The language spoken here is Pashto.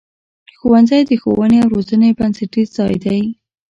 ښوونځی د ښوونې او روزنې بنسټیز ځای دی.